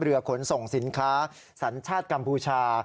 ขนส่งสินค้าสัญชาติกัมพูชา